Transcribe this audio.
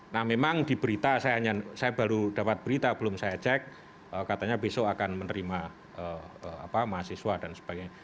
nah memang di berita saya baru dapat berita belum saya cek katanya besok akan menerima mahasiswa dan sebagainya